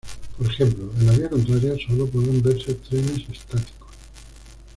Por ejemplo, en la vía contraria sólo podrán verse trenes estáticos.